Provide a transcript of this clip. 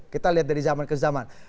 kita lihat dari zaman ke zaman